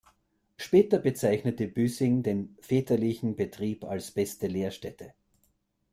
Später bezeichnete Büssing den väterlichen Betrieb als beste Lehrstätte.